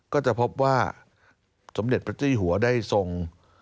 ก็จะพบว่าสมเด็จพระเจ้าหัวได้ทรง